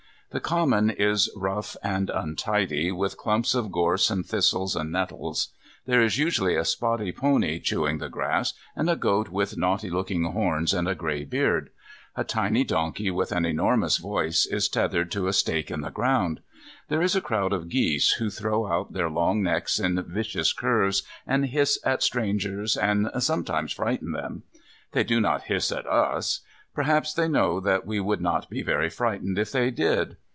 The common is rough and untidy, with clumps of gorse and thistles and nettles. There is usually a spotty pony chewing the grass, and a goat with naughty looking horns and a grey beard. A tiny donkey with an enormous voice is tethered to a stake in the ground. There is a crowd of geese, who throw out their long necks in vicious curves, and hiss at strangers and sometimes frighten them. They do not hiss at us. Perhaps they know that we would not be very frightened if they did.